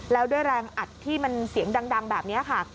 แล้วด้วยแรงอัดที่มันเสียงดังแบบนี้ค่ะ